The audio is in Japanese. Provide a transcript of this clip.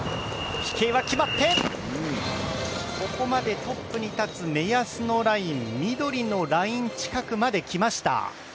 飛型は決まってここまでトップに立つ目安のライン緑のライン近くまで来ました。